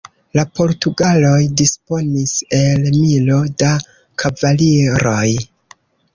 La portugaloj disponis el milo da kavaliroj.